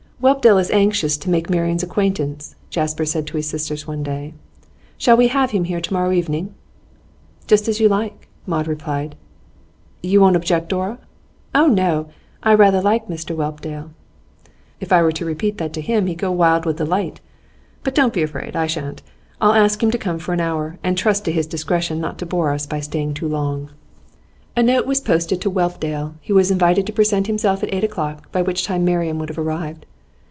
'Whelpdale is anxious to make Marian's acquaintance,' Jasper said to his sisters one day. 'Shall we have him here tomorrow evening?' 'Just as you like,' Maud replied. 'You won't object, Dora?' 'Oh no! I rather like Mr Whelpdale.' 'If I were to repeat that to him he'd go wild with delight. But don't be afraid; I shan't. I'll ask him to come for an hour, and trust to his discretion not to bore us by staying too long.' A note was posted to Whelpdale; he was invited to present himself at eight o'clock, by which time Marian would have arrived.